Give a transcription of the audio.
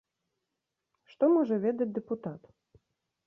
Што можа ведаць дэпутат?